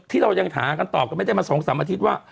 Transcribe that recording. ที่เรายังหากันตอบกันไม่ได้มา๒๓อาทิตย์ว่า